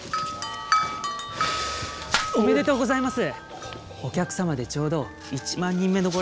おめでとうございます。